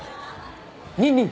ニンニン。